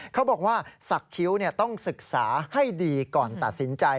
เขาบอกว่าสักคิ้วต้องศึกษาให้ดีก่อนตัดสินใจ